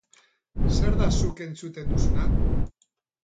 Zer da zuk entzuten duzuna?